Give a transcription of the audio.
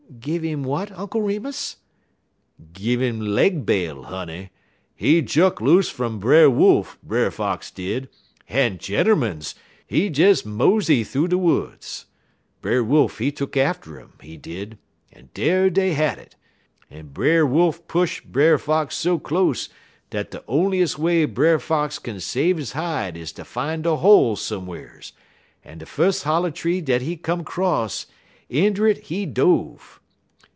"Gave him what, Uncle Remus?" "Gin 'im leg bail, honey. He juk loose fum Brer Wolf, Brer Fox did, en, gentermens, he des mosey thoo de woods. Brer Wolf, he tuck atter 'm, he did, en dar dey had it, en Brer Wolf push Brer Fox so close, dat de onliest way Brer Fox kin save he hide is ter fine a hole some'rs, en de fus' holler tree dat he come 'cross, inter it he dove.